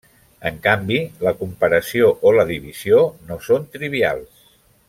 En canvi, la comparació o la divisió no són trivials.